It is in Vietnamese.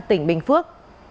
tỉnh bình phước